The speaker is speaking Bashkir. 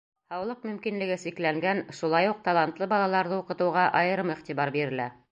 Һаулыҡ мөмкинлеге сикләнгән, шулай уҡ талантлы балаларҙы уҡытыуға айырым иғтибар бирелә.